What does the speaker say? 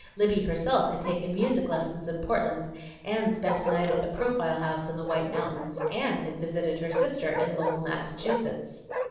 Libbie herself had taken music lessons in Portland; and spent a night at the Profile House in the White Mountains, and had visited her sister in Lowell, Massachusetts.